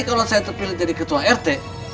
kalau saya terpilih jadi ketua rt